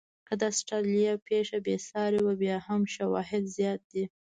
که د استرالیا پېښه بې ساري وه، بیا هم شواهد زیات دي.